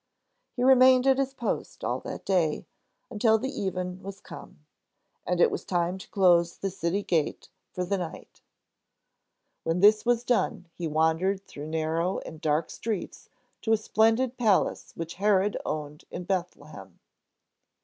He remained at his post all that day, until the even was come, and it was time to close the city gate for the night. When this was done, he wandered through narrow and dark streets, to a splendid palace which Herod owned in Bethlehem.